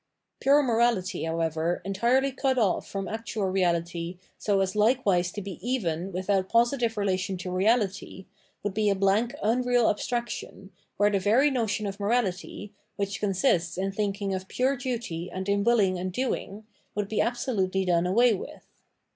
Pure morabty, however, entirely cut off from actual reality so as likewise to be even without positive relation to reality, would be a blank unreal abstraction, where tbe very notion of morabty, which consists in thinking of pure duty and in wilbng and doing, would be absolutely done away with.